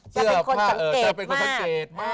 จะเป็นคนสังเกตมาก